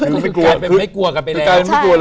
กลายเป็นไม่กลัวกันไปแล้ว